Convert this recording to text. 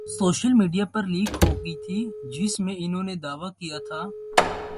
social media پر لیک ہوگئی تھی جس میں انہوں نے دعویٰ کیا تھا